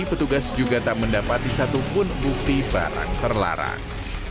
petugas juga tak mendapati satupun bukti barang terlarang